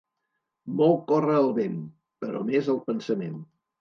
Molt corre el vent, però més el pensament.